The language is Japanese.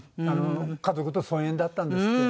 家族と疎遠だったんですって。